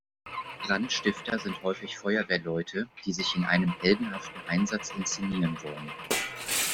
Brandstifter sind häufig Feuerwehrleute, die sich in einem heldenhaften Einsatz inszenieren wollen.